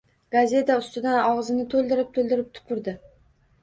Gazeta ustidan... og‘zini to‘ldirib-to‘ldirib tupurdi.